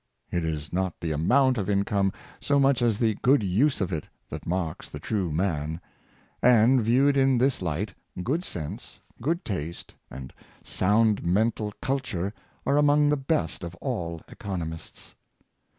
It is not the amount of income, so much as the good use of it, that marks the true man; and, viewed in this light, good sense, good taste, and sound mental culture are among the best of all economists.